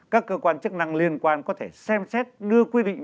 các cơ quan chức năng liên quan có thể xem xét đưa quy định